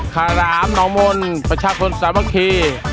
ขรามนองมนต์ประชาชนสมกี